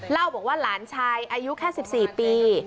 เล่าบอกว่าหลานชายอายุแค่๑๔ปี